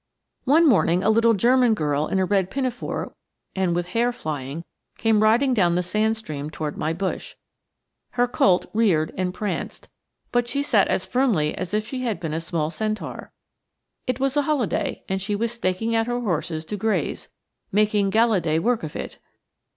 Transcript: One morning a little German girl, in a red pinafore, and with hair flying, came riding down the sand stream toward my bush. Her colt reared and pranced, but she sat as firmly as if she had been a small centaur. It was a holiday, and she was staking out her horses to graze, making gala day work of it.